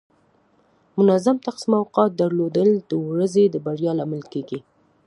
منظم تقسیم اوقات درلودل د ورځې د بریا لامل کیږي.